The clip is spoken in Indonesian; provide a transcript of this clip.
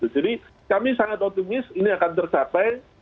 jadi kami sangat otomis ini akan tercapai